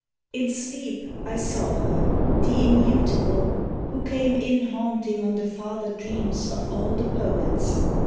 In sleep I saw her, the immutable, Who came in haunting on the farther dreams Of all the poets.